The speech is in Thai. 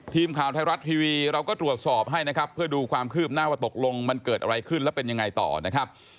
ทีมข่าวไทยรัฐทีวีเราก็ตรวจสอบให้นะครับเพื่อดูความคืบหน้าว่าตกลงมันเกิดอะไรขึ้นแล้วเป็นยังไงต่อนะครับ